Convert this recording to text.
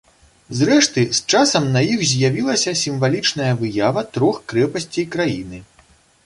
Зрэшты, з часам на іх з'явілася сімвалічная выява трох крэпасцей краіны.